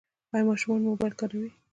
ایا ماشومان مو موبایل کاروي؟